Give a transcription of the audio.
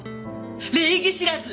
礼儀知らず！